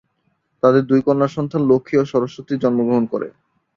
তাদের দুই কন্যা সন্তান লক্ষ্মী ও সরস্বতী জন্মগ্রহণ করে।